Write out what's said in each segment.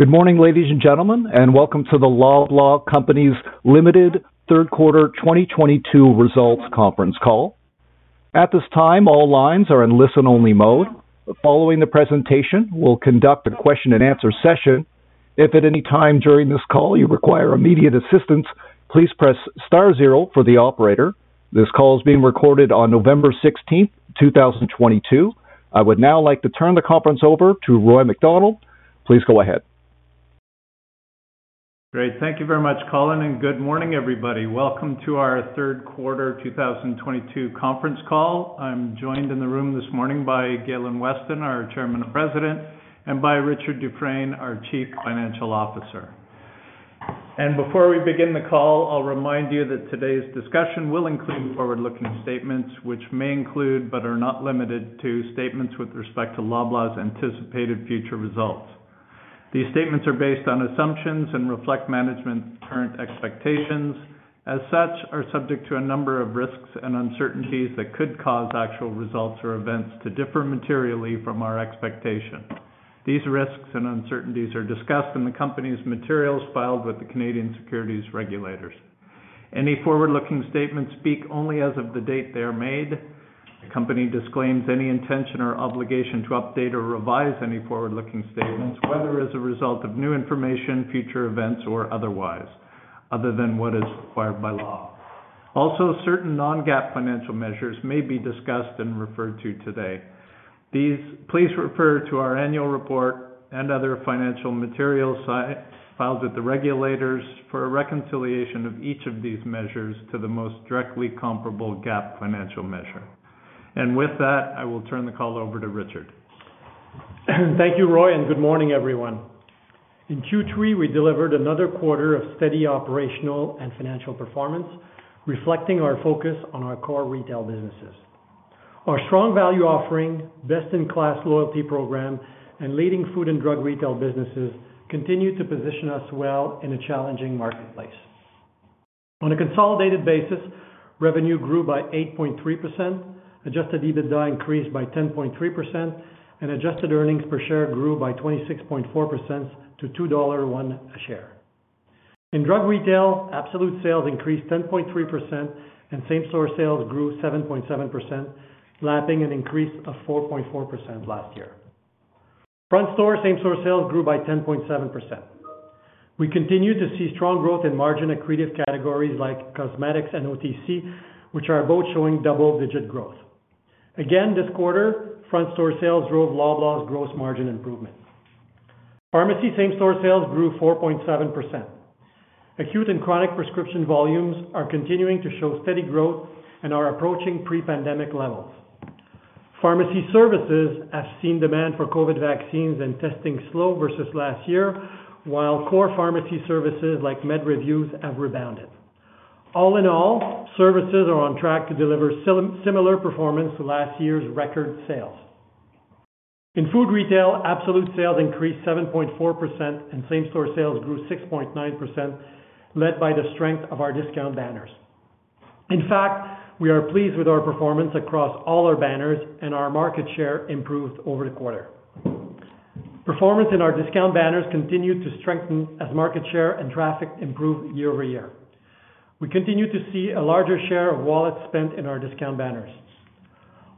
Good morning, ladies and gentlemen, and welcome to the Loblaw Companies Limited third quarter 2022 results conference call. At this time, all lines are in listen-only mode. Following the presentation, we'll conduct a question-and-answer session. If at any time during this call you require immediate assistance, please press star zero for the operator. This call is being recorded on November 16, 2022. I would now like to turn the conference over to Roy MacDonald. Please go ahead. Great. Thank you very much, Colin, and good morning, everybody. Welcome to our third quarter 2022 conference call. I'm joined in the room this morning by Galen Weston, our chairman and president, and by Richard Dufresne, our chief financial officer. Before we begin the call, I'll remind you that today's discussion will include forward-looking statements, which may include, but are not limited to statements with respect to Loblaw's anticipated future results. These statements are based on assumptions and reflect management's current expectations. As such, are subject to a number of risks and uncertainties that could cause actual results or events to differ materially from our expectations. These risks and uncertainties are discussed in the company's materials filed with the Canadian Securities Regulators. Any forward-looking statements speak only as of the date they are made. The company disclaims any intention or obligation to update or revise any forward-looking statements, whether as a result of new information, future events or otherwise, other than what is required by law. Also, certain non-GAAP financial measures may be discussed and referred to today. These. Please refer to our annual report and other financial materials SEDAR-filed with the regulators for a reconciliation of each of these measures to the most directly comparable GAAP financial measure. With that, I will turn the call over to Richard. Thank you, Roy, and good morning, everyone. In Q3, we delivered another quarter of steady operational and financial performance, reflecting our focus on our core retail businesses. Our strong value offering, best-in-class loyalty program, and leading food and drug retail businesses continue to position us well in a challenging marketplace. On a consolidated basis, revenue grew by 8.3%, adjusted EBITDA increased by 10.3%, and adjusted earnings per share grew by 26.4% to 2.01 dollar a share. In drug retail, absolute sales increased 10.3%, and same-store sales grew 7.7%, lapping an increase of 4.4% last year. Front-store same-store sales grew by 10.7%. We continue to see strong growth in margin-accretive categories like cosmetics and OTC, which are both showing double-digit growth. Again, this quarter, front-store sales drove Loblaw's gross margin improvement. Pharmacy same-store sales grew 4.7%. Acute and chronic prescription volumes are continuing to show steady growth and are approaching pre-pandemic levels. Pharmacy services have seen demand for COVID vaccines and testing slow versus last year, while core pharmacy services like med reviews have rebounded. All in all, services are on track to deliver similar performance to last year's record sales. In food retail, absolute sales increased 7.4% and same-store sales grew 6.9%, led by the strength of our discount banners. In fact, we are pleased with our performance across all our banners and our market share improved over the quarter. Performance in our discount banners continued to strengthen as market share and traffic improved year-over-year. We continue to see a larger share of wallet spent in our discount banners.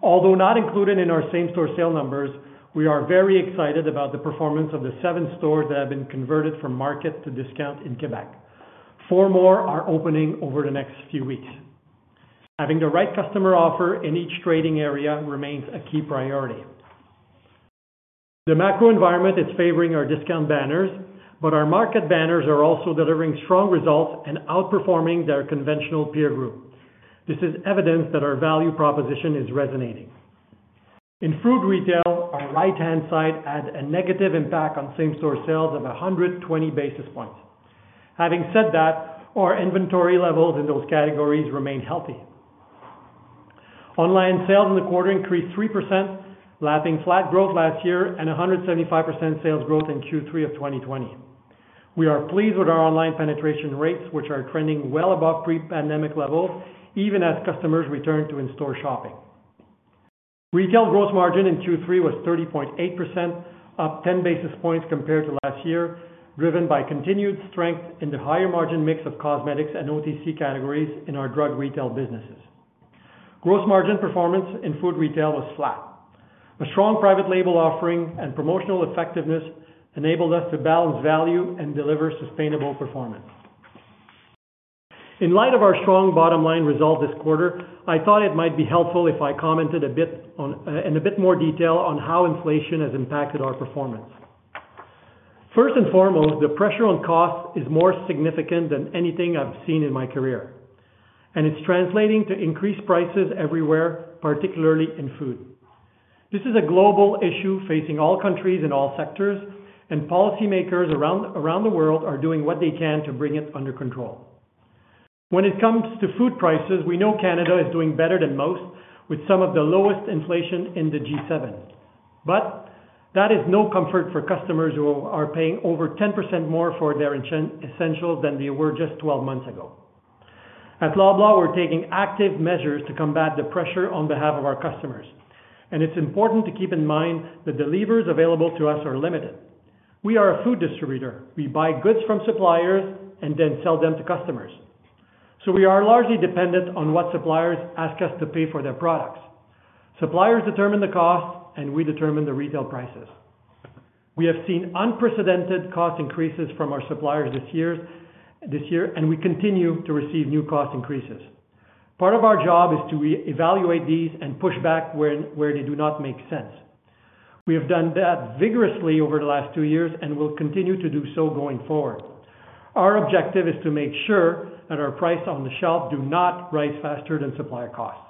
Although not included in our same-store sales numbers, we are very excited about the performance of the seven stores that have been converted from market to discount in Quebec. Four more are opening over the next few weeks. Having the right customer offer in each trading area remains a key priority. The macro environment is favoring our discount banners, but our market banners are also delivering strong results and outperforming their conventional peer group. This is evidence that our value proposition is resonating. In food retail, our right-hand side had a negative impact on same-store sales of 120 basis points. Having said that, our inventory levels in those categories remain healthy. Online sales in the quarter increased 3%, lapping flat growth last year and 175% sales growth in Q3 of 2020. We are pleased with our online penetration rates, which are trending well above pre-pandemic levels, even as customers return to in-store shopping. Retail gross margin in Q3 was 30.8%, up 10 basis points compared to last year, driven by continued strength in the higher margin mix of cosmetics and OTC categories in our drug retail businesses. Gross margin performance in food retail was flat. A strong private label offering and promotional effectiveness enabled us to balance value and deliver sustainable performance. In light of our strong bottom line result this quarter, I thought it might be helpful if I commented a bit, in a bit more detail, on how inflation has impacted our performance. First and foremost, the pressure on costs is more significant than anything I've seen in my career, and it's translating to increased prices everywhere, particularly in food. This is a global issue facing all countries in all sectors, and policymakers around the world are doing what they can to bring it under control. When it comes to food prices, we know Canada is doing better than most, with some of the lowest inflation in the G7. That is no comfort for customers who are paying over 10% more for their essentials than they were just 12 months ago. At Loblaw, we're taking active measures to combat the pressure on behalf of our customers, and it's important to keep in mind that the levers available to us are limited. We are a food distributor. We buy goods from suppliers and then sell them to customers. We are largely dependent on what suppliers ask us to pay for their products. Suppliers determine the cost and we determine the retail prices. We have seen unprecedented cost increases from our suppliers this year, and we continue to receive new cost increases. Part of our job is to re-evaluate these and push back where they do not make sense. We have done that vigorously over the last two years and will continue to do so going forward. Our objective is to make sure that our price on the shelf do not rise faster than supplier costs.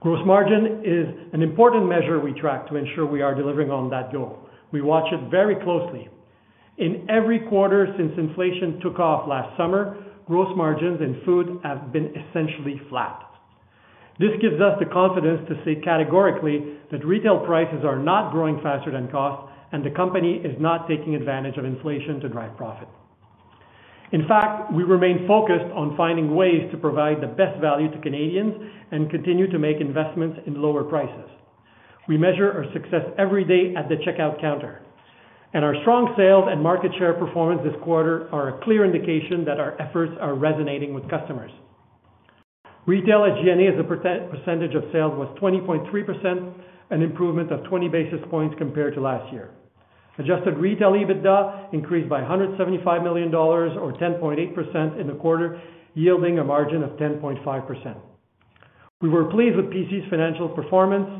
Gross margin is an important measure we track to ensure we are delivering on that goal. We watch it very closely. In every quarter since inflation took off last summer, gross margins in food have been essentially flat. This gives us the confidence to say categorically that retail prices are not growing faster than costs and the company is not taking advantage of inflation to drive profit. In fact, we remain focused on finding ways to provide the best value to Canadians and continue to make investments in lower prices. We measure our success every day at the checkout counter, and our strong sales and market share performance this quarter are a clear indication that our efforts are resonating with customers. Retail SG&A as a percentage of sales was 20.3%, an improvement of 20 basis points compared to last year. Adjusted retail EBITDA increased by 175 million dollars or 10.8% in the quarter, yielding a margin of 10.5%. We were pleased with PC's financial performance.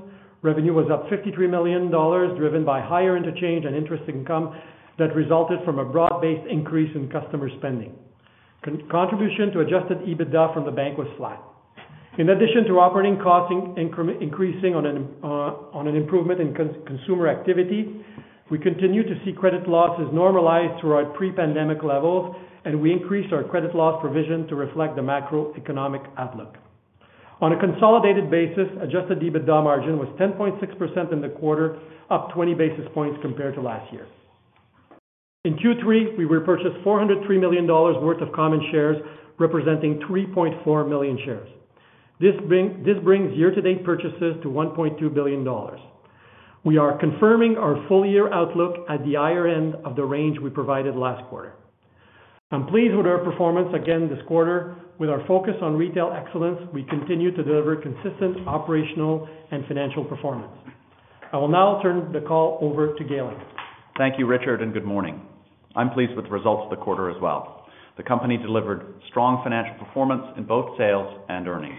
Revenue was up 53 million dollars, driven by higher interchange and interest income that resulted from a broad-based increase in customer spending. Contribution to adjusted EBITDA from the bank was flat. In addition to operating costs increasing on an improvement in consumer activity, we continue to see credit losses normalize to our pre-pandemic levels, and we increased our credit loss provision to reflect the macroeconomic outlook. On a consolidated basis, adjusted EBITDA margin was 10.6% in the quarter, up 20 basis points compared to last year. In Q3, we repurchased 403 million dollars worth of common shares, representing 3.4 million shares. This brings year-to-date purchases to 1.2 billion dollars. We are confirming our full-year outlook at the higher end of the range we provided last quarter. I'm pleased with our performance again this quarter. With our focus on retail excellence, we continue to deliver consistent operational and financial performance. I will now turn the call over to Galen. Thank you, Richard, and good morning. I'm pleased with the results of the quarter as well. The company delivered strong financial performance in both sales and earnings.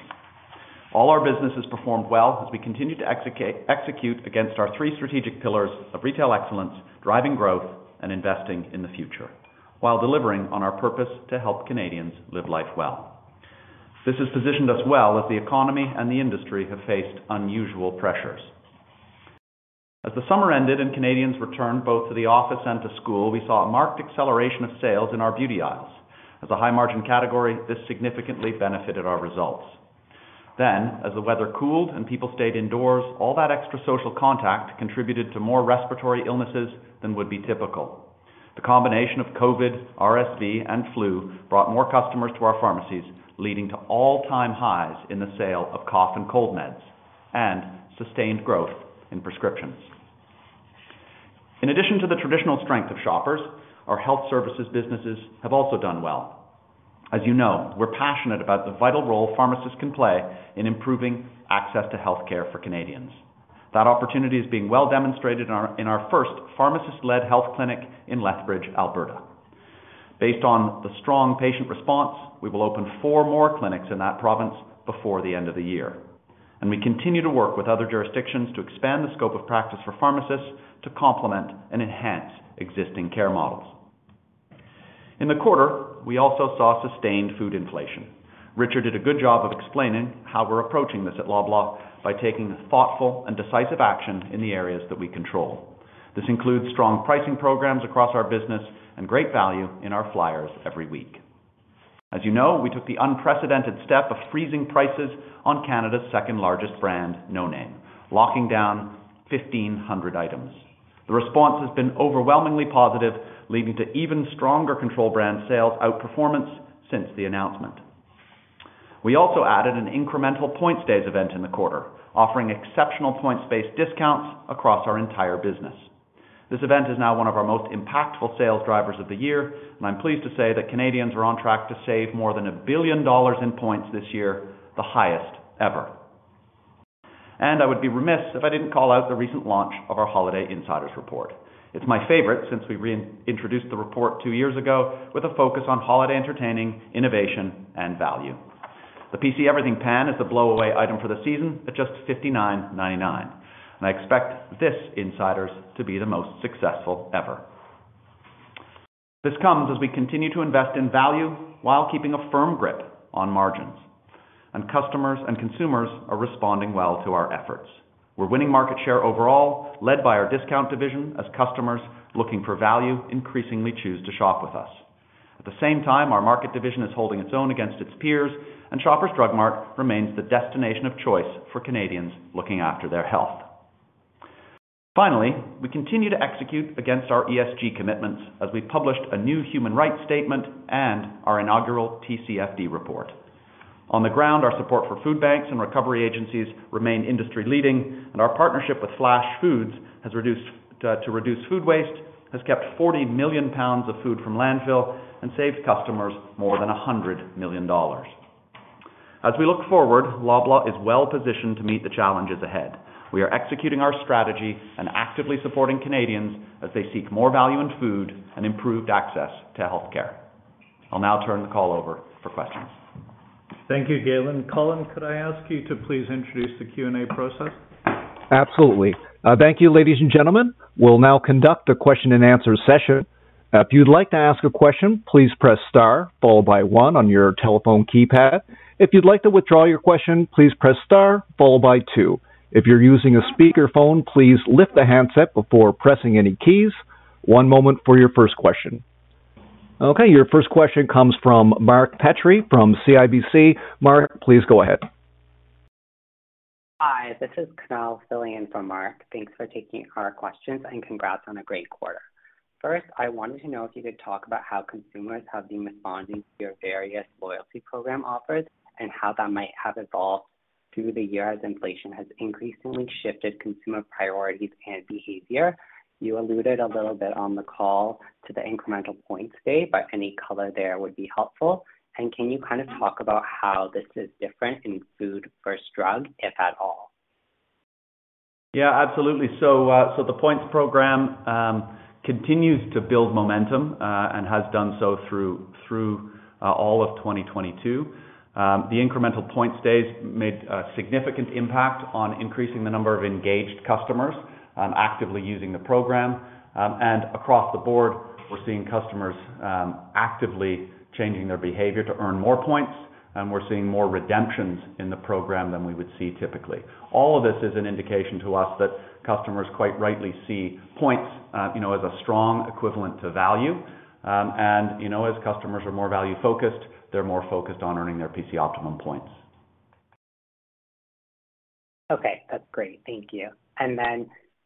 All our businesses performed well as we continue to execute against our three strategic pillars of retail excellence, driving growth and investing in the future, while delivering on our purpose to help Canadians live life well. This has positioned us well as the economy and the industry have faced unusual pressures. As the summer ended and Canadians returned both to the office and to school, we saw a marked acceleration of sales in our beauty aisles. As a high-margin category, this significantly benefited our results. As the weather cooled and people stayed indoors, all that extra social contact contributed to more respiratory illnesses than would be typical. The combination of COVID, RSV, and flu brought more customers to our pharmacies, leading to all-time highs in the sale of cough and cold meds and sustained growth in prescriptions. In addition to the traditional strength of Shoppers, our health services businesses have also done well. As you know, we're passionate about the vital role pharmacists can play in improving access to health care for Canadians. That opportunity is being well demonstrated in our first pharmacist-led health clinic in Lethbridge, Alberta. Based on the strong patient response, we will open four more clinics in that province before the end of the year. We continue to work with other jurisdictions to expand the scope of practice for pharmacists to complement and enhance existing care models. In the quarter, we also saw sustained food inflation. Richard did a good job of explaining how we're approaching this at Loblaw by taking thoughtful and decisive action in the areas that we control. This includes strong pricing programs across our business and great value in our flyers every week. As you know, we took the unprecedented step of freezing prices on Canada's second-largest brand, no name, locking down 1,500 items. The response has been overwhelmingly positive, leading to even stronger controlled brand sales outperformance since the announcement. We also added an incremental Points Days event in the quarter, offering exceptional points-based discounts across our entire business. This event is now one of our most impactful sales drivers of the year, and I'm pleased to say that Canadians are on track to save more than 1 billion dollars in points this year, the highest ever. I would be remiss if I didn't call out the recent launch of our Holiday Insiders Report. It's my favorite since we re-introduced the report two years ago with a focus on holiday entertaining, innovation, and value. The PC Everything Pan is the blowaway item for the season at just 59.99. I expect this Insiders to be the most successful ever. This comes as we continue to invest in value while keeping a firm grip on margins, and customers and consumers are responding well to our efforts. We're winning market share overall, led by our discount division, as customers looking for value increasingly choose to shop with us. At the same time, our market division is holding its own against its peers, and Shoppers Drug Mart remains the destination of choice for Canadians looking after their health. Finally, we continue to execute against our ESG commitments as we published a new human rights statement and our inaugural TCFD report. On the ground, our support for food banks and recovery agencies remain industry-leading, and our partnership with Flashfood has kept 40 million pounds of food from landfill and saved customers more than 100 million dollars. As we look forward, Loblaw is well-positioned to meet the challenges ahead. We are executing our strategy and actively supporting Canadians as they seek more value in food and improved access to health care. I'll now turn the call over for questions. Thank you, Galen. Colin, could I ask you to please introduce the Q&A process? Absolutely. Thank you, ladies and gentlemen. We'll now conduct a question and answer session. If you'd like to ask a question, please press star followed by one on your telephone keypad. If you'd like to withdraw your question, please press star followed by two. If you're using a speakerphone, please lift the handset before pressing any keys. One moment for your first question. Okay, your first question comes from Mark Petrie from CIBC. Mark, please go ahead. Hi, this is Kunaal filling in for Mark. Thanks for taking our questions, and congrats on a great quarter. First, I wanted to know if you could talk about how consumers have been responding to your various loyalty program offers and how that might have evolved through the year as inflation has increasingly shifted consumer priorities and behavior. You alluded a little bit on the call to the incremental points day, but any color there would be helpful. Can you kind of talk about how this is different in food versus drug, if at all? Yeah, absolutely. The points program continues to build momentum, and has done so through all of 2022. The incremental Points Days made a significant impact on increasing the number of engaged customers actively using the program. Across the board, we're seeing customers actively changing their behavior to earn more points, and we're seeing more redemptions in the program than we would see typically. All of this is an indication to us that customers quite rightly see points, you know, as a strong equivalent to value. You know, as customers are more value-focused, they're more focused on earning their PC Optimum points. Okay, that's great. Thank you.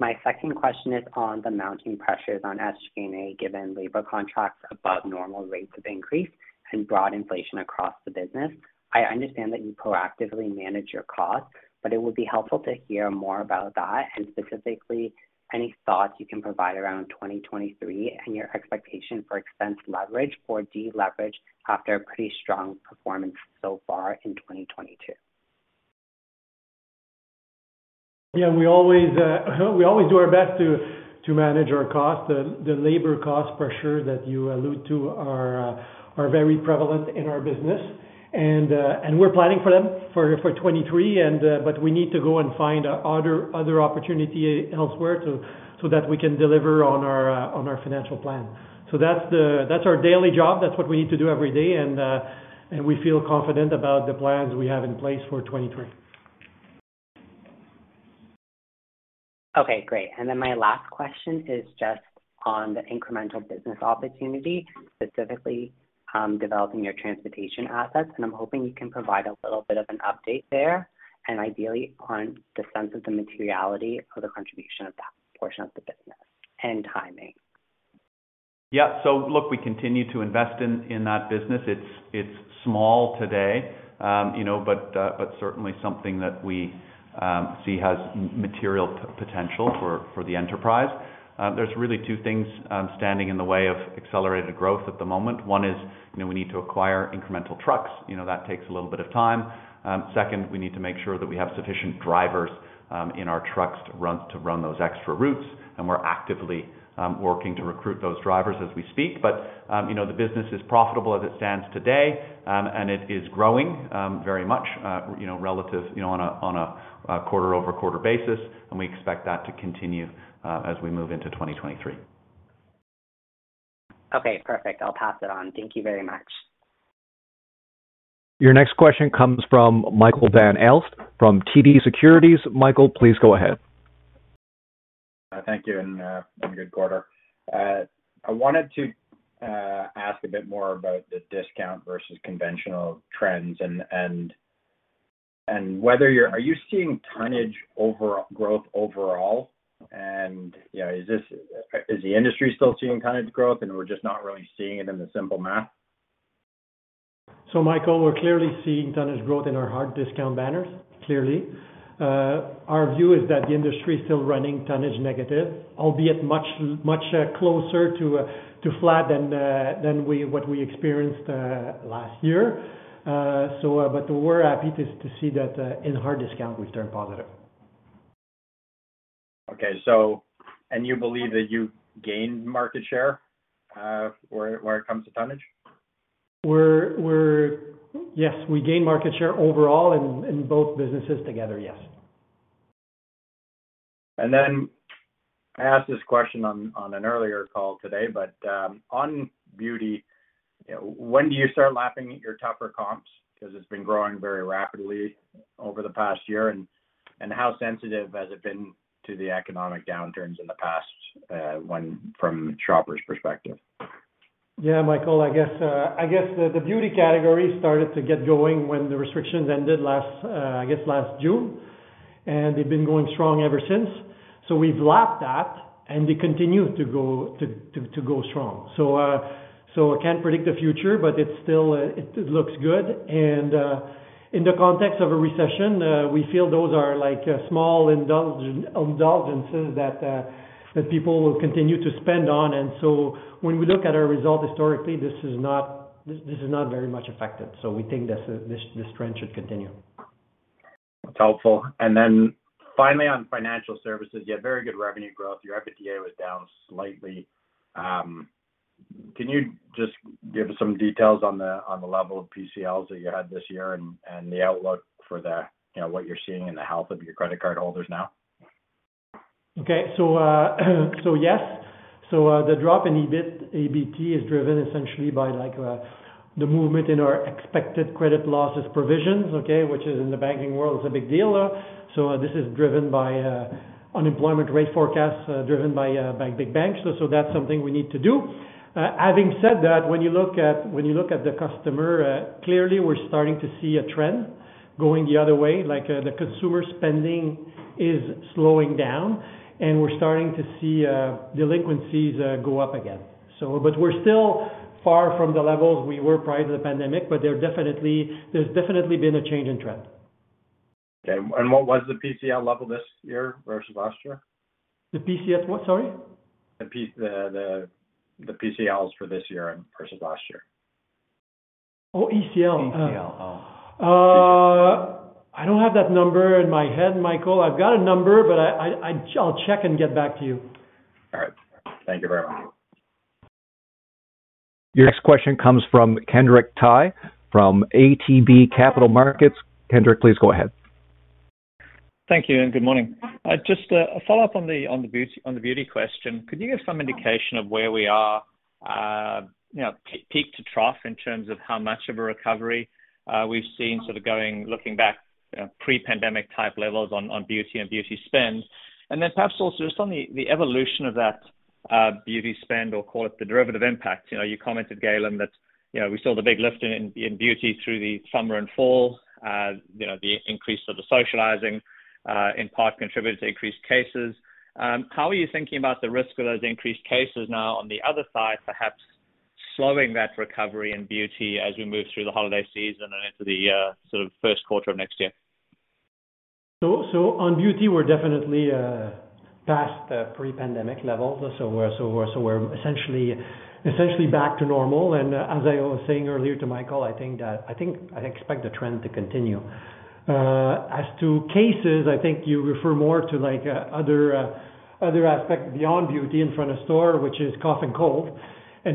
My second question is on the mounting pressures on SG&A, given labor contracts above normal rates of increase and broad inflation across the business. I understand that you proactively manage your costs, but it would be helpful to hear more about that and specifically any thoughts you can provide around 2023 and your expectation for expense leverage or deleverage after a pretty strong performance so far in 2022. Yeah, we always do our best to manage our costs. The labor cost pressure that you allude to are very prevalent in our business. We're planning for them for 2023, but we need to go and find other opportunity elsewhere so that we can deliver on our financial plan. That's our daily job. That's what we need to do every day. We feel confident about the plans we have in place for 2023. Okay, great. My last question is just on the incremental business opportunity, specifically, developing your transportation assets. I'm hoping you can provide a little bit of an update there and ideally on the sense of the materiality of the contribution of that portion of the business and timing. Yeah. Look, we continue to invest in that business. It's small today, you know, but certainly something that we see has material potential for the enterprise. There's really two things standing in the way of accelerated growth at the moment. One is, you know, we need to acquire incremental trucks. You know, that takes a little bit of time. Second, we need to make sure that we have sufficient drivers in our trucks to run those extra routes, and we're actively working to recruit those drivers as we speak. You know, the business is profitable as it stands today, and it is growing very much, you know, relative on a quarter-over-quarter basis, and we expect that to continue as we move into 2023. Okay, perfect. I'll pass it on. Thank you very much. Your next question comes from Michael Van Aelst from TD Securities. Michael, please go ahead. Thank you, and on good quarter. I wanted to ask a bit more about the discount versus conventional trends and whether you are seeing tonnage growth overall. You know, is the industry still seeing tonnage growth and we're just not really seeing it in the simple math? Michael, we're clearly seeing tonnage growth in our hard discount banners, clearly. Our view is that the industry is still running tonnage negative, albeit much, much, closer to flat than what we experienced last year. We're happy to see that in hard discount we've turned positive. Okay. You believe that you gained market share, where it comes to tonnage? Yes, we gained market share overall in both businesses together, yes. I asked this question on an earlier call today, but on beauty, when do you start lapping at your tougher comps? Because it's been growing very rapidly over the past year. How sensitive has it been to the economic downturns in the past, when from Shoppers perspective? Yeah, Michael, I guess the beauty category started to get going when the restrictions ended last June, and they've been going strong ever since. We've lapped that and they continue to go strong. I can't predict the future, but it still looks good. In the context of a recession, we feel those are like small indulgences that people will continue to spend on. When we look at our result historically, this is not very much affected. We think this trend should continue. That's helpful. Finally, on financial services, you had very good revenue growth. Your EBITDA was down slightly. Can you just give us some details on the level of PCLs that you had this year and the outlook for the, you know, what you're seeing in the health of your credit card holders now? Yes. The drop in EBIT, EBT is driven essentially by like, the movement in our expected credit losses provisions, okay, which in the banking world is a big deal. This is driven by unemployment rate forecasts driven by big banks. That's something we need to do. Having said that, when you look at the customer, clearly we're starting to see a trend going the other way. Like, the consumer spending is slowing down and we're starting to see delinquencies go up again. But we're still far from the levels we were prior to the pandemic, but there's definitely been a change in trend. Okay. What was the PCL level this year versus last year? The PC's what, sorry? The PCLs for this year versus last year. Oh, ECL. ECL. Oh. I don't have that number in my head, Michael. I've got a number, but I'll check and get back to you. All right. Thank you very much. Your next question comes from Kenric Tyghe from ATB Capital Markets. Kenric, please go ahead. Thank you and good morning. Just a follow-up on the beauty question. Could you give some indication of where we are, you know, peak to trough in terms of how much of a recovery we've seen sort of going looking back, you know, pre-pandemic type levels on beauty and beauty spend? Perhaps also just on the evolution of that beauty spend or call it the derivative impact. You know, you commented, Galen, we saw the big lift in beauty through the summer and fall. You know, the increase of the socializing in part contributed to increased cases. How are you thinking about the risk of those increased cases now on the other side, perhaps slowing that recovery in beauty as we move through the holiday season and into the sort of first quarter of next year? On beauty, we're definitely past the pre-pandemic levels. We're essentially back to normal. As I was saying earlier to Michael, I think I expect the trend to continue. As to cases, I think you refer more to like other aspects beyond beauty in front of store, which is cough and cold.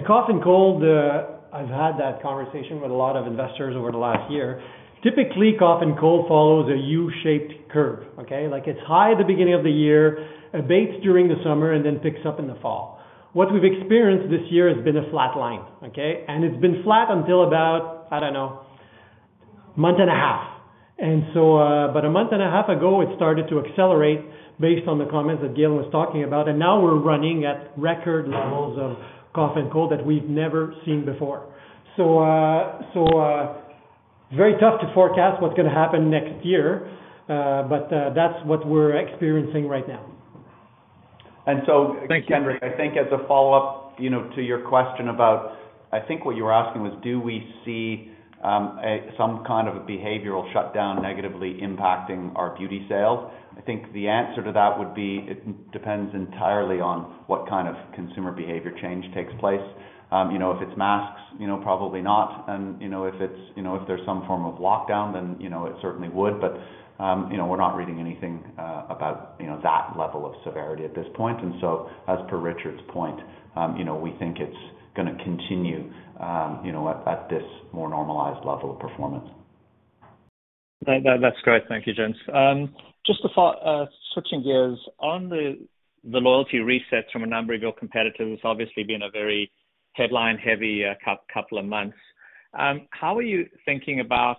Cough and cold, I've had that conversation with a lot of investors over the last year. Typically, cough and cold follows a U-shaped curve, okay. Like, it's high at the beginning of the year, abates during the summer, and then picks up in the fall. What we've experienced this year has been a flat line, okay. It's been flat until about, I don't know, a month and a half. A month and a half ago, it started to accelerate based on the comments that Galen was talking about, and now we're running at record levels of cough and cold that we've never seen before. Very tough to forecast what's gonna happen next year, but that's what we're experiencing right now. Thank you. Kenric, I think as a follow-up, you know, to your question about, I think what you were asking was do we see some kind of behavioral shutdown negatively impacting our beauty sales? I think the answer to that would be it depends entirely on what kind of consumer behavior change takes place. You know, if it's masks, you know, probably not. You know, if it's, you know, if there's some form of lockdown, then, you know, it certainly would. You know, we're not reading anything about, you know, that level of severity at this point. As per Richard Dufresne's point, you know, we think it's gonna continue, you know, at this more normalized level of performance. That's great. Thank you, gents. Just a thought, switching gears. On the loyalty resets from a number of your competitors, it's obviously been a very headline-heavy couple of months. How are you thinking about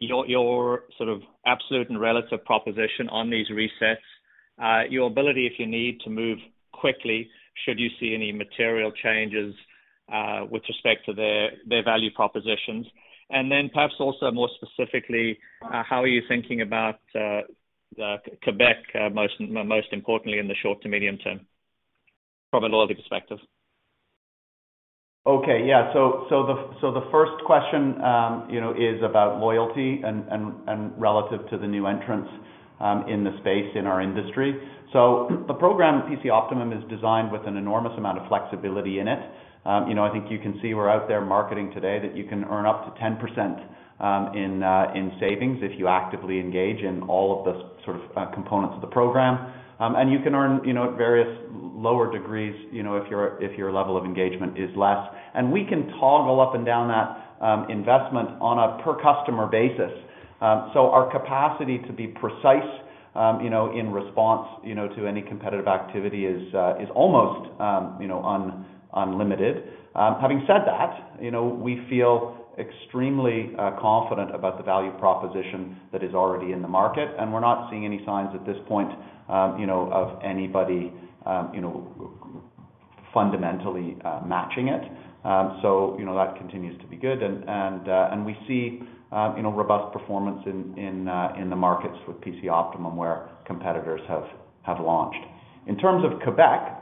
your sort of absolute and relative proposition on these resets? Your ability if you need to move quickly, should you see any material changes, with respect to their value propositions? Perhaps also more specifically, how are you thinking about the Quebec most importantly in the short to medium term from a loyalty perspective? The first question, you know, is about loyalty and relative to the new entrants in the space in our industry. The program PC Optimum is designed with an enormous amount of flexibility in it. You know, I think you can see we're out there marketing today that you can earn up to 10% in savings if you actively engage in all of the sort of components of the program. And you can earn, you know, at various lower degrees, you know, if your level of engagement is less. We can toggle up and down that investment on a per customer basis. Our capacity to be precise, you know, in response, you know, to any competitive activity is almost, you know, unlimited. Having said that, you know, we feel extremely confident about the value proposition that is already in the market, and we're not seeing any signs at this point, you know, of anybody fundamentally matching it. So, you know, that continues to be good. We see robust performance in the markets with PC Optimum where competitors have launched. In terms of Quebec,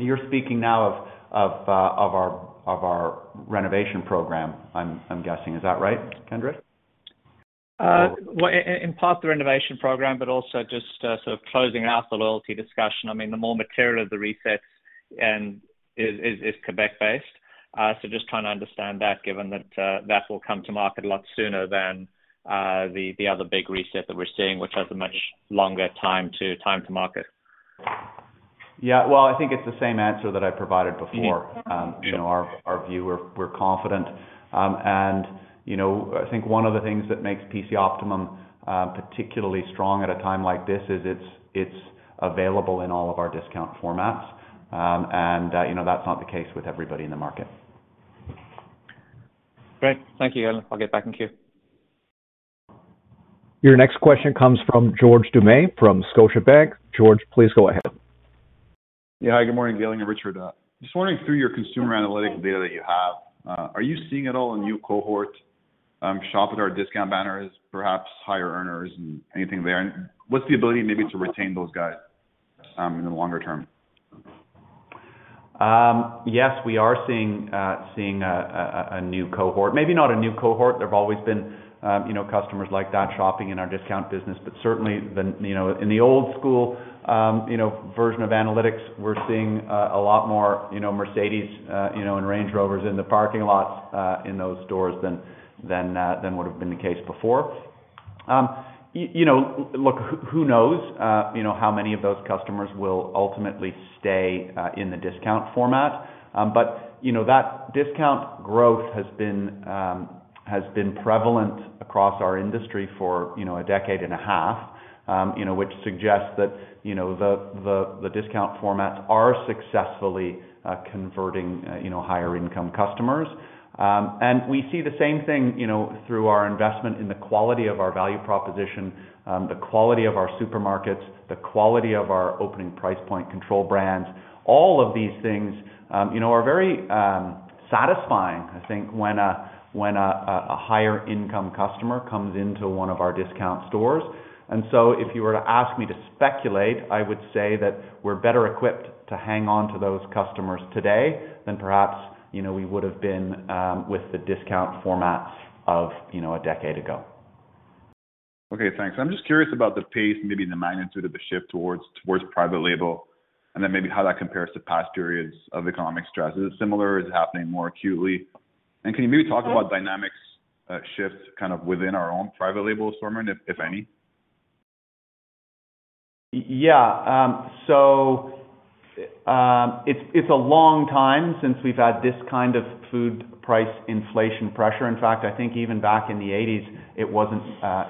you're speaking now of our renovation program, I'm guessing. Is that right, Kenric? In part the renovation program, but also just sort of closing out the loyalty discussion. I mean, the more material of the resets is Quebec-based. So just trying to understand that, given that that will come to market a lot sooner than the other big reset that we're seeing, which has a much longer time to market. Yeah. Well, I think it's the same answer that I provided before. Mm-hmm. Yeah. You know, our view, we're confident. You know, I think one of the things that makes PC Optimum particularly strong at a time like this is it's available in all of our discount formats. You know, that's not the case with everybody in the market. Great. Thank you, Galen. I'll get back in queue. Your next question comes from George Doumet from Scotiabank. George, please go ahead. Yeah. Good morning, Galen Weston and Richard Dufresne. Just wondering, through your consumer analytics data that you have, are you seeing at all a new cohort, shopping with our discount banners, perhaps higher earners and anything there? What's the ability maybe to retain those guys, in the longer term? Yes, we are seeing a new cohort. Maybe not a new cohort. There've always been, you know, customers like that shopping in our discount business. Certainly, you know, in the old school, you know, version of analytics, we're seeing a lot more, you know, Mercedes, you know, and Range Rovers in the parking lots in those stores than would have been the case before. You know, look, who knows, you know, how many of those customers will ultimately stay in the discount format? You know, that discount growth has been prevalent across our industry for, you know, a decade and a half, you know, which suggests that, you know, the discount formats are successfully converting, you know, higher income customers. We see the same thing, you know, through our investment in the quality of our value proposition, the quality of our supermarkets, the quality of our opening price point control brands. All of these things, you know, are very satisfying, I think, when a higher income customer comes into one of our discount stores. If you were to ask me to speculate, I would say that we're better equipped to hang on to those customers today than perhaps, you know, we would have been with the discount formats of, you know, a decade ago. Okay, thanks. I'm just curious about the pace, maybe the magnitude of the shift towards private label and then maybe how that compares to past periods of economic stress. Is it similar? Is it happening more acutely? Can you maybe talk about dynamics, shifts kind of within our own private label assortment, if any? It's a long time since we've had this kind of food price inflation pressure. In fact, I think even back in the eighties, it wasn't,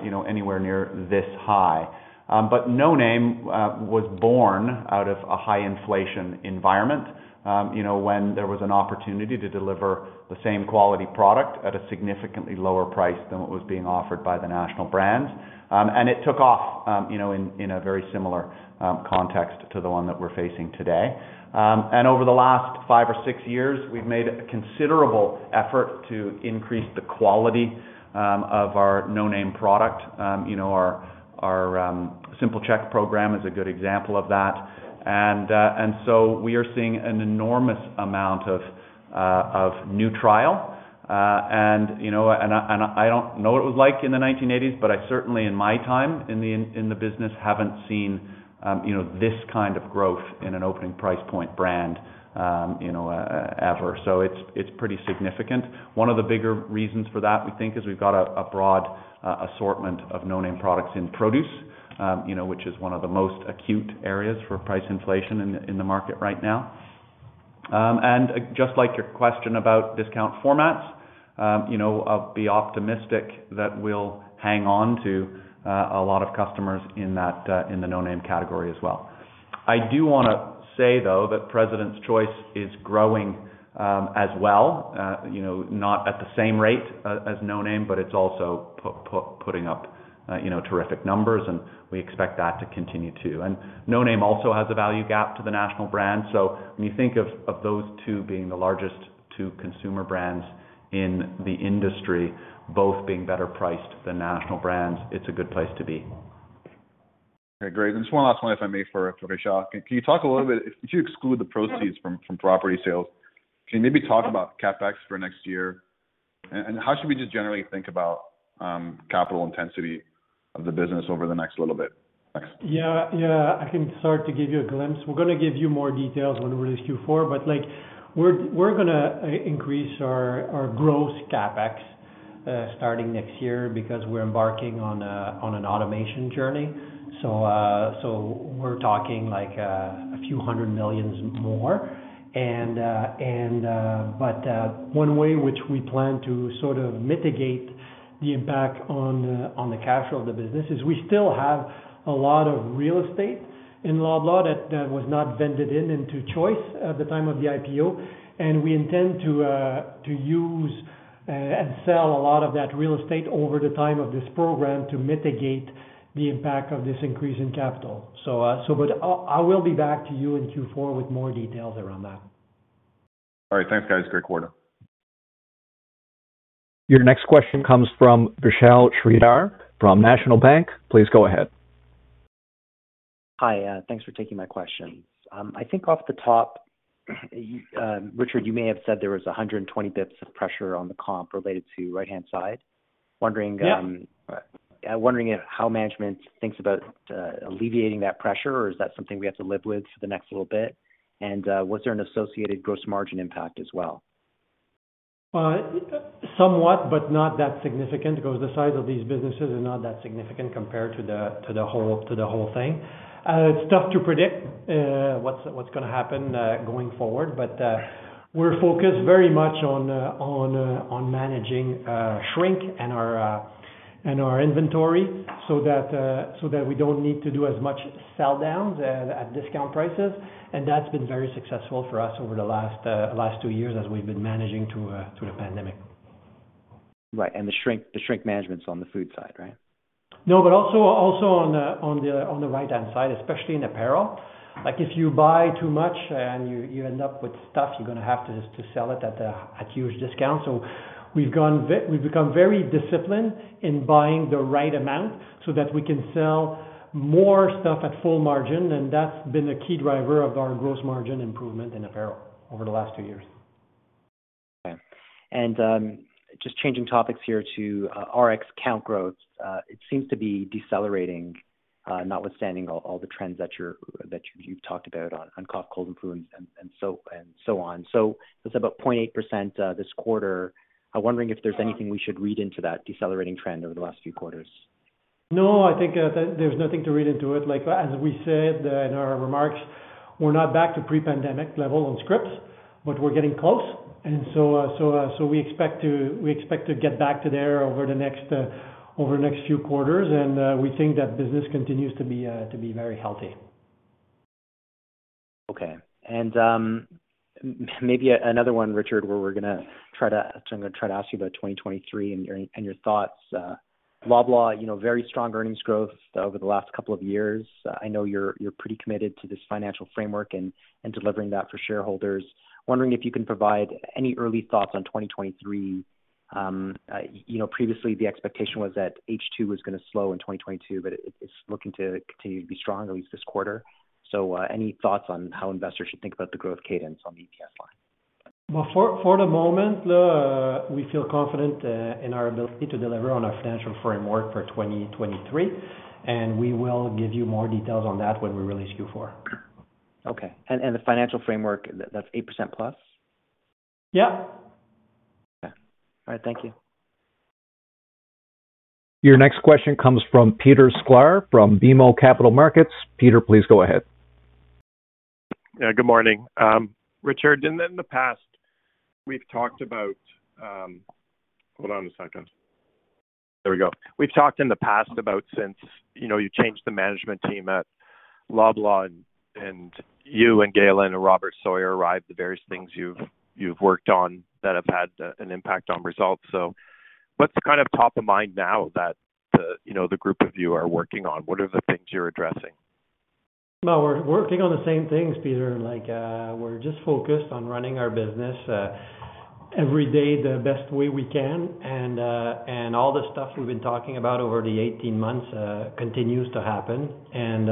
you know, anywhere near this high. No name was born out of a high inflation environment, you know, when there was an opportunity to deliver the same quality product at a significantly lower price than what was being offered by the national brands. It took off, you know, in a very similar context to the one that we're facing today. Over the last five or six years, we've made a considerable effort to increase the quality of our no name product. You know, our Simple Check program is a good example of that. We are seeing an enormous amount of new trial. You know, I don't know what it was like in the 1980s, but I certainly in my time in the business haven't seen, you know, this kind of growth in an opening price point brand, you know, ever. It's pretty significant. One of the bigger reasons for that, we think, is we've got a broad assortment of no name products in produce, you know, which is one of the most acute areas for price inflation in the market right now. Just like your question about discount formats, you know, I'll be optimistic that we'll hang on to a lot of customers in that, in the no name category as well. I do wanna say, though, that President's Choice is growing, as well, you know, not at the same rate, as no name, but it's also putting up, you know, terrific numbers, and we expect that to continue too. No name also has a value gap to the national brand. When you think of those two being the largest two consumer brands in the industry, both being better priced than national brands, it's a good place to be. Okay, great. Just one last one, if I may, for Richard. Can you talk a little bit if you exclude the proceeds from property sales, can you maybe talk about CapEx for next year? How should we just generally think about capital intensity of the business over the next little bit? Thanks. Yeah. I can start to give you a glimpse. We're gonna give you more details when we release Q4, but, like, we're gonna increase our growth CapEx starting next year because we're embarking on an automation journey. So we're talking like a few hundred million CAD more. One way which we plan to sort of mitigate the impact on the cash flow of the business is we still have a lot of real estate in Loblaw that was not vended into Choice at the time of the IPO. We intend to use and sell a lot of that real estate over the time of this program to mitigate the impact of this increase in capital. I will be back to you in Q4 with more details around that. All right. Thanks, guys. Great quarter. Your next question comes from Vishal Shreedhar from National Bank. Please go ahead. Hi, thanks for taking my questions. I think off the top, Richard, you may have said there was 120 basis points of pressure on the comp related to right-hand side. Wondering, Yeah. Wondering how management thinks about alleviating that pressure, or is that something we have to live with for the next little bit? Was there an associated gross margin impact as well? Somewhat, but not that significant because the size of these businesses are not that significant compared to the whole thing. It's tough to predict what's gonna happen going forward, but we're focused very much on managing shrink and our inventory so that we don't need to do as much selldowns at discount prices. That's been very successful for us over the last two years as we've been managing through the pandemic. Right. The shrink management is on the food side, right? No, also on the right-hand side, especially in apparel. Like, if you buy too much and you end up with stuff, you're gonna have to sell it at a huge discount. We've become very disciplined in buying the right amount so that we can sell more stuff at full margin, and that's been a key driver of our gross margin improvement in apparel over the last two years. Okay. Just changing topics here to Rx count growth. It seems to be decelerating, notwithstanding all the trends that you've talked about on cough, cold and flu, and so on. It's about 0.8% this quarter. I'm wondering if there's anything we should read into that decelerating trend over the last few quarters. No, I think there's nothing to read into it. Like, as we said in our remarks, we're not back to pre-pandemic level on scripts, but we're getting close. We expect to get back to there over the next few quarters. We think that business continues to be very healthy. Maybe another one, Richard, I'm gonna try to ask you about 2023 and your thoughts. Loblaw, you know, very strong earnings growth over the last couple of years. I know you're pretty committed to this financial framework and delivering that for shareholders. Wondering if you can provide any early thoughts on 2023. You know, previously the expectation was that H2 was gonna slow in 2022, but it's looking to continue to be strong, at least this quarter. Any thoughts on how investors should think about the growth cadence on the EPS line? Well, for the moment, we feel confident in our ability to deliver on our financial framework for 2023, and we will give you more details on that when we release Q4. Okay. The financial framework, that's 8%+? Yeah. Okay. All right. Thank you. Your next question comes from Peter Sklar from BMO Capital Markets. Peter, please go ahead. Yeah, good morning. Richard, in the past, we've talked about since you know you changed the management team at Loblaw, and you and Galen and Robert Sawyer arrived, the various things you've worked on that have had an impact on results. What's kind of top of mind now that you know the group of you are working on? What are the things you're addressing? Well, we're working on the same things, Peter. Like, we're just focused on running our business every day, the best way we can. All the stuff we've been talking about over the 18 months continues to happen, and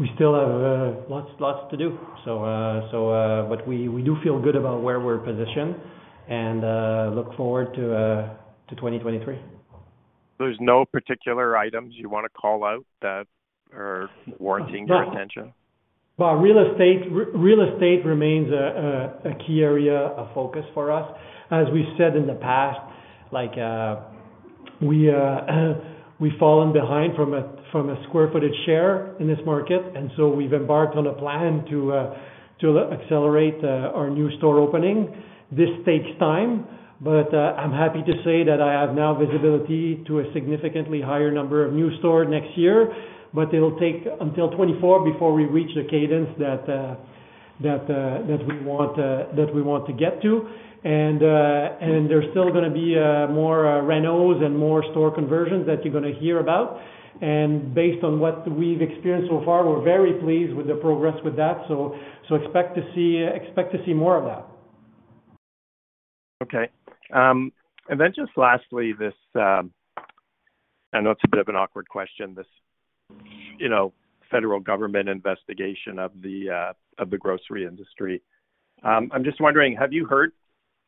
we still have lots to do. But we do feel good about where we're positioned and look forward to 2023. There's no particular items you wanna call out that are warranting your attention? Well, real estate remains a key area of focus for us. As we've said in the past, like, we've fallen behind from a square footage share in this market, and so we've embarked on a plan to accelerate our new store opening. This takes time, but I'm happy to say that I have now visibility to a significantly higher number of new store next year, but it'll take until 2024 before we reach the cadence that we want to get to. There's still gonna be more renos and more store conversions that you're gonna hear about. Based on what we've experienced so far, we're very pleased with the progress with that. Expect to see more of that. Okay. Then just lastly, this, I know it's a bit of an awkward question, this, you know, federal government investigation of the grocery industry. I'm just wondering, have you heard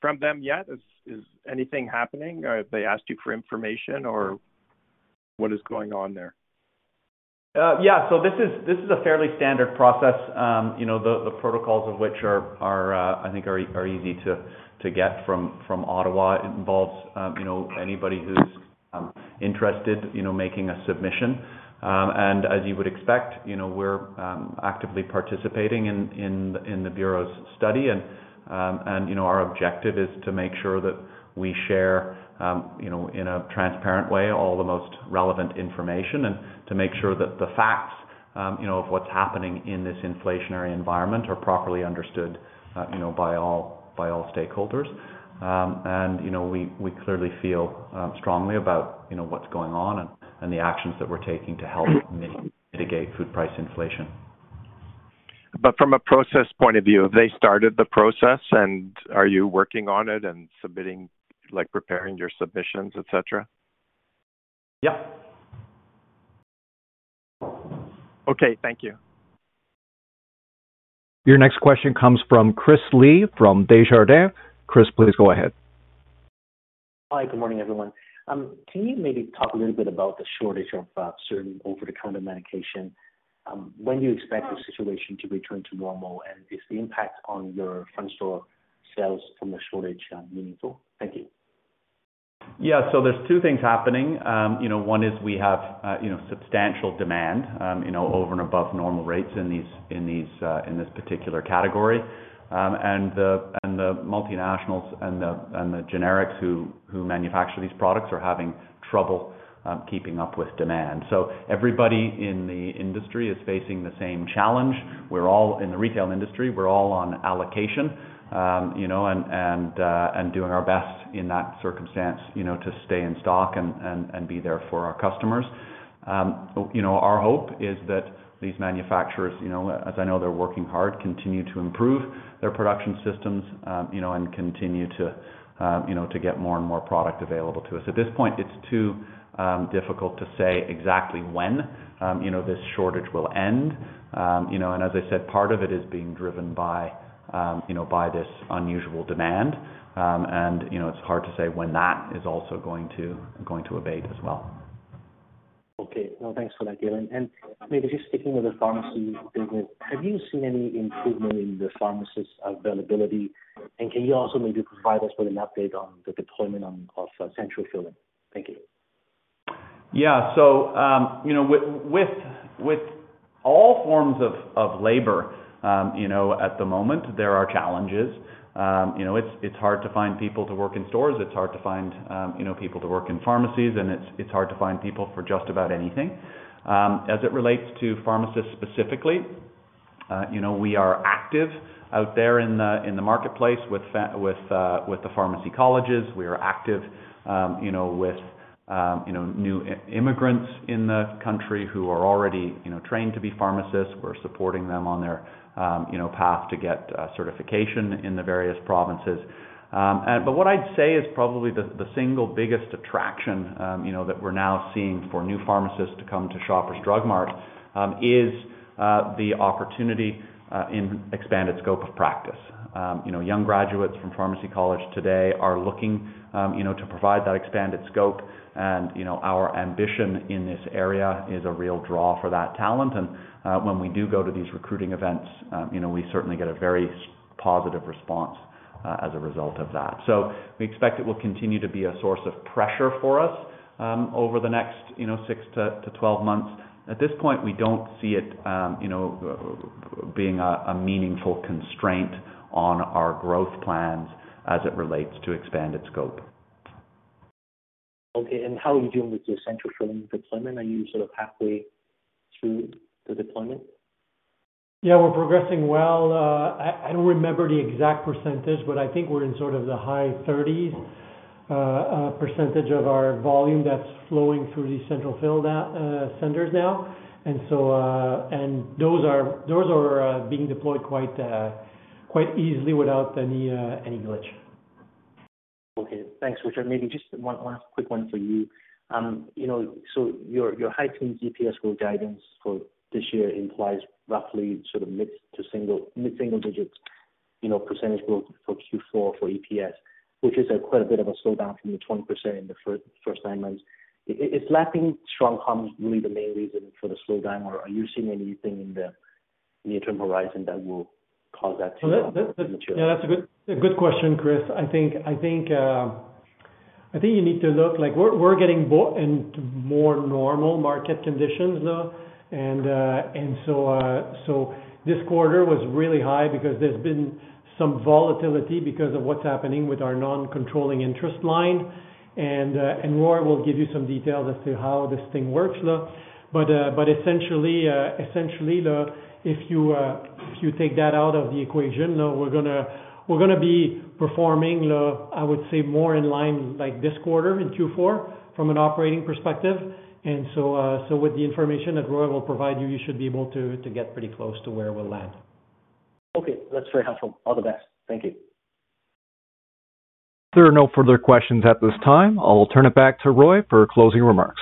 from them yet? Is anything happening? Have they asked you for information or what is going on there? Yeah. This is a fairly standard process, you know, the protocols of which, I think, are easy to get from Ottawa. It involves, you know, anybody who's interested in making a submission. As you would expect, you know, we're actively participating in the bureau's study. You know, our objective is to make sure that we share, you know, in a transparent way, all the most relevant information and to make sure that the facts, you know, of what's happening in this inflationary environment are properly understood, you know, by all stakeholders. You know, we clearly feel strongly about, you know, what's going on and the actions that we're taking to help mitigate food price inflation. From a process point of view, have they started the process and are you working on it and submitting, like, preparing your submissions, et cetera? Yeah. Okay, thank you. Your next question comes from Chris Li from Desjardins. Chris, please go ahead. Hi. Good morning, everyone. Can you maybe talk a little bit about the shortage of certain over-the-counter medication, when you expect the situation to return to normal, and is the impact on your front store sales from the shortage, meaningful? Thank you. Yeah. There's two things happening. You know, one is we have, you know, substantial demand, you know, over and above normal rates in this particular category. And the multinationals and the generics who manufacture these products are having trouble keeping up with demand. Everybody in the industry is facing the same challenge. We're all in the retail industry. We're all on allocation, you know, and doing our best in that circumstance, you know, to stay in stock and be there for our customers. You know, our hope is that these manufacturers, you know, as I know they're working hard, continue to improve their production systems, you know, and continue to get more and more product available to us. At this point, it's too difficult to say exactly when, you know, this shortage will end. You know, as I said, part of it is being driven by, you know, by this unusual demand. You know, it's hard to say when that is also going to abate as well. Okay. No, thanks for that, Galen Weston. Maybe just sticking with the pharmacy business, have you seen any improvement in the pharmacist availability? Can you also maybe provide us with an update on the deployment of central filling? Thank you. Yeah. With all forms of labor, you know, at the moment, there are challenges. You know, it's hard to find people to work in stores. It's hard to find, you know, people to work in pharmacies, and it's hard to find people for just about anything. As it relates to pharmacists specifically, you know, we are active out there in the marketplace with the pharmacy colleges. We are active, you know, with new immigrants in the country who are already, you know, trained to be pharmacists. We're supporting them on their, you know, path to get certification in the various provinces. What I'd say is probably the single biggest attraction, you know, that we're now seeing for new pharmacists to come to Shoppers Drug Mart is the opportunity in expanded scope of practice. You know, young graduates from pharmacy college today are looking, you know, to provide that expanded scope and, you know, our ambition in this area is a real draw for that talent. When we do go to these recruiting events, you know, we certainly get a very positive response as a result of that. We expect it will continue to be a source of pressure for us over the next, you know, six to 12 months. At this point, we don't see it, you know, being a meaningful constraint on our growth plans as it relates to expanded scope. Okay. How are you doing with the central filling deployment? Are you sort of halfway through the deployment? Yeah, we're progressing well. I don't remember the exact percentage, but I think we're in sort of the high 30s% of our volume that's flowing through these central fill centers now. Those are being deployed quite easily without any glitch. Okay. Thanks, Richard. Maybe just one last quick one for you. You know, your high teens EPS growth guidance for this year implies roughly sort of mid- to single, mid-single digits, you know, percentage growth for Q4 for EPS, which is quite a bit of a slowdown from the 20% in the first nine months. Is lacking strong comps really the main reason for the slowdown, or are you seeing anything in the near-term horizon that will cause that to- Yeah, that's a good question, Chris. I think you need to look at it like we're getting back into more normal market conditions now. This quarter was really high because there's been some volatility because of what's happening with our non-controlling interest line. Roy will give you some details as to how this thing works, though. Essentially, though, if you take that out of the equation, though, we're gonna be performing, I would say more in line like this quarter in Q4 from an operating perspective. With the information that Roy will provide you should be able to get pretty close to where we'll land. Okay. That's very helpful. All the best. Thank you. There are no further questions at this time. I'll turn it back to Roy for closing remarks.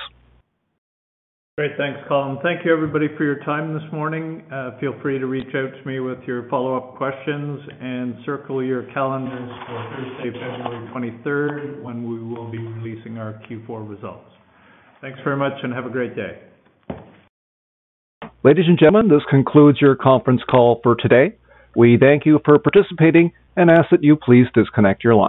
Great. Thanks, Colin. Thank you, everybody, for your time this morning. Feel free to reach out to me with your follow-up questions and circle your calendars for Thursday, February twenty-third, when we will be releasing our Q4 results. Thanks very much and have a great day. Ladies and gentlemen, this concludes your conference call for today. We thank you for participating and ask that you please disconnect your line.